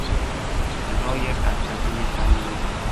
صدای قهقه خنده